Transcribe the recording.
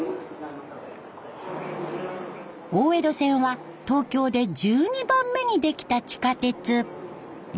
大江戸線は東京で１２番目にできた地下鉄。